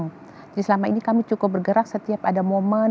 jadi selama ini kami cukup bergerak setiap ada momen